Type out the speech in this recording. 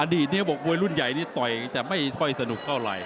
อดีตเนี่ยบอกว่ารุ่นใหญ่นี่ต่อยจะไม่ค่อยสนุกเก่าไร